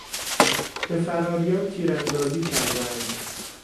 به فراریان تیر اندازی کردند.